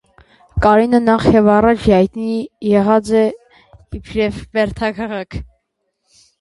Կարինը նախ եւ առաջ յայտնի եղած է իբրեւ բերդաքաղաք։